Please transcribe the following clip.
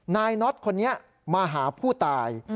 นายน็อตคนนี้มาหาผู้ตาย